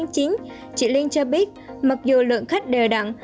chị liên cho biết mặc dù lượng khách đều đặn